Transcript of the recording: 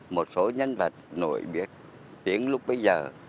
một số nhân vật nổi biệt đến lúc bây giờ